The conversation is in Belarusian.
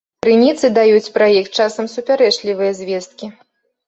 Крыніцы даюць пра іх часам супярэчлівыя звесткі.